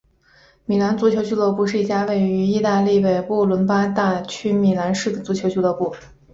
米兰足球俱乐部是一家位于义大利北部伦巴第大区米兰市的足球俱乐部。